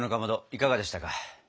いかがでしたか？